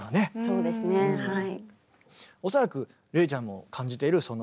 そうですねはい。